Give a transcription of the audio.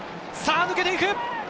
抜けていく。